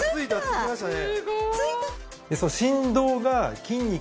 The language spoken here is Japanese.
付きましたね。